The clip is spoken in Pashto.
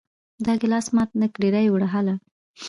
دا ګلاس مات نه کې را یې وړه هله!